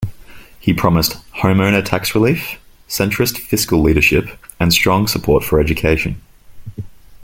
He promised homeowner tax relief, centrist fiscal leadership, and strong support for education.